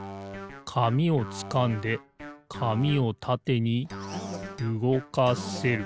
紙をつかんで紙をたてにうごかせる。